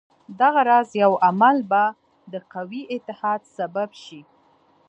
دغه راز یو عمل به د قوي اتحاد سبب شي.